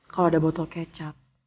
kalau ada botol kecap